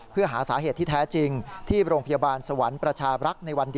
เพื่อหาสาเหตุที่แท้จริง